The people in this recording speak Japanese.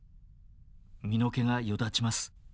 身の毛がよだちます。